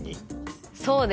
そうです。